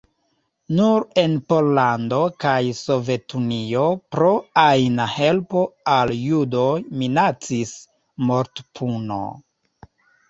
Nur en Pollando kaj Sovetunio pro ajna helpo al judoj minacis mortpuno.